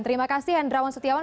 terima kasih hendrawan setiawan